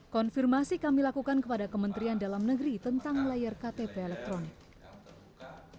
konfirmasi kami lakukan kepada kementerian dalam negeri tentang layar ktp elektronik